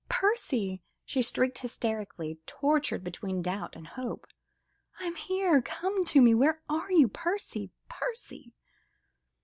Percy!" she shrieked hysterically, tortured between doubt and hope, "I am here! Come to me! Where are you? Percy! Percy!